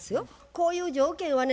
こういう条件はね